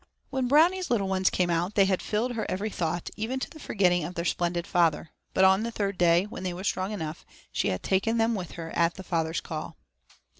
When Brownie's little ones came out they had filled her every thought, even to the forgetting of their splendid father. But on the third day, when they were strong enough, she had taken them with her at the father's call.